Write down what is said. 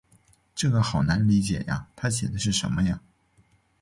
这个好难理解呀，她写的是什么呀？